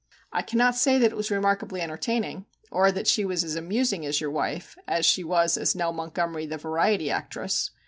I cannot say that it was remarkably entertaining, or that she was as amusing as your wife as she was as Nell Montgomery, the variety actress.